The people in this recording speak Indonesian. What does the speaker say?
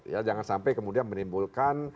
ya jangan sampai kemudian menimbulkan